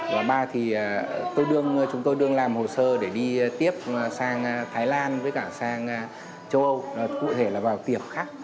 và ba thì tôi đương chúng tôi đương làm hồ sơ để đi tiếp sang thái lan với cả sang châu âu cụ thể là vào tiệm khác